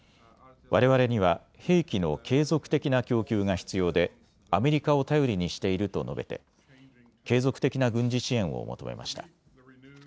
われわれには兵器の継続的な供給が必要でアメリカを頼りにしていると述べて継続的な軍事支援を求めました。